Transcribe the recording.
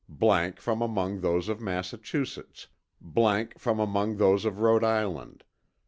from among those of Massachusetts. from among those of Rhode Island.